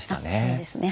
そうですね。